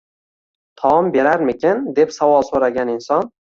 Taom berarmikan, deb savol so‘ragan inson